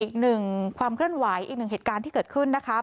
อีกหนึ่งความเคลื่อนไหวอีกหนึ่งเหตุการณ์ที่เกิดขึ้นนะคะ